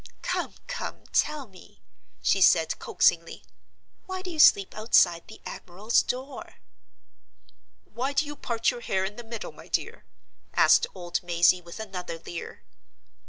"Come! come! tell me," she said, coaxingly. "Why do you sleep outside the admiral's door?" "Why do you part your hair in the middle, my dear?" asked old Mazey, with another leer.